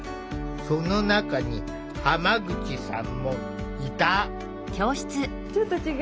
その中に浜口さんもいた。